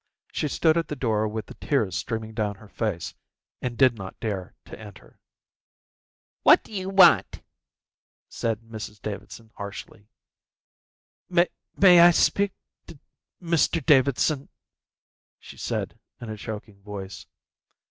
She stood at the door with the tears streaming down her face and did not dare to enter. "What do you want?" said Mrs Davidson harshly. "May I speak to Mr Davidson?" she said in a choking voice.